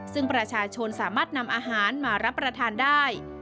ซึ่งประชาชนสามารถนำอาหารมารับประทานได้